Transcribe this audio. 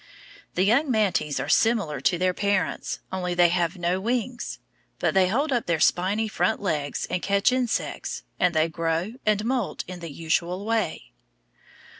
The young mantes are similar to their parents, only they have no wings. But they hold up their spiny front legs and catch insects, and they grow and moult in the usual way.